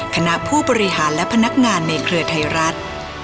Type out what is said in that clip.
คณะผู้บริหารและพนักงานในเครือไทยรัฐ